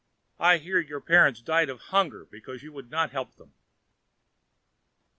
I hear your parents died of hunger because you would not help them."